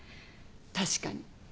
確かに。